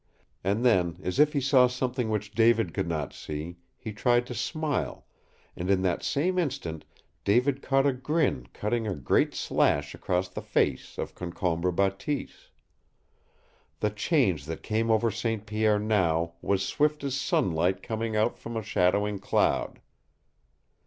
And then, as if he saw something which David could not see, he tried to smile, and in that same instant David caught a grin cutting a great slash across the face of Concombre Bateese. The change that came over St. Pierre now was swift as sunlight coming out from shadowing cloud.